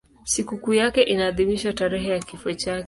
Sikukuu yake inaadhimishwa tarehe ya kifo chake.